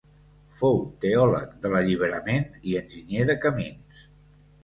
Fou teòleg de l'alliberament i enginyer de camins.